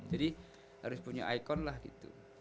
jadi harus punya icon lah gitu